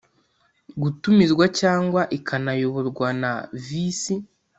gutumizwa cyangwa ikanayoborwa naVisi